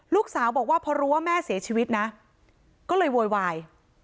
ลูกสาวบอกว่าพอรู้ว่าแม่เสียชีวิตนะก็เลยโวยวาย